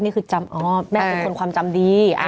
นี่คือจำอ๋อแม่เป็นคนความจำดี